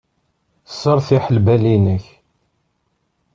Sseṛtiḥ lbal-nnek.